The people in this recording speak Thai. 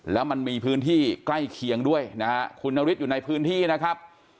แล้วมันมีพื้นที่ใกล้เคียงด้วยนะฮะคุณนฤทธิ์อยู่ในพื้นที่นะครับ